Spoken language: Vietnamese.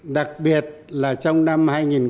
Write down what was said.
đặc biệt là trong năm hai nghìn một mươi chín